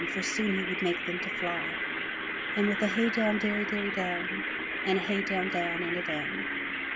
For soon he would make them to fly. With a hey down derry, derry down. And a hey down, down and a down!